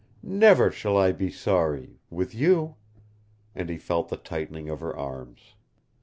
Never shall I be sorry with you," and he felt the tightening of her arms.